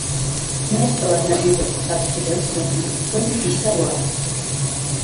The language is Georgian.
მე, სწორედ, ნადირობის ტრფიალს რომ იტყვინ, ისა ვარ.